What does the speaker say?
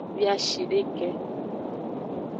Wiashideke.